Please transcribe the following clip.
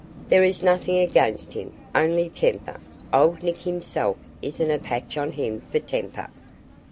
There is nothing against him, only temper old Nick himself isn't a patch on him for temper."